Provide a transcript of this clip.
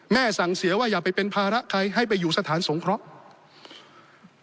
สั่งเสียว่าอย่าไปเป็นภาระใครให้ไปอยู่สถานสงเคราะห์